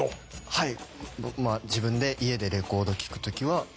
はい。